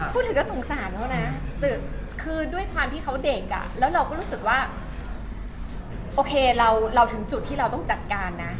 พูดถึงก็สงสารเขานะคือด้วยความที่เขาเด็กอ่ะแล้วเราก็รู้สึกว่าโอเคเราถึงจุดที่เราต้องจัดการนะ